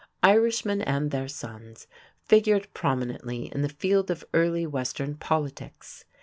Irishmen and their sons figured prominently in the field of early western politics.